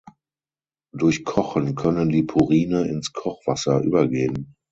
Durch Kochen können die Purine ins Kochwasser übergehen.